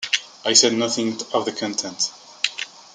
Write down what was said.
I said nothing of the contents.